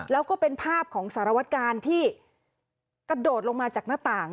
แล้วก็เป็นภาพของสารวัตกาลที่กระโดดลงมาจากหน้าต่าง